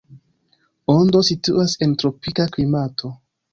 Ondo situas en tropika klimato.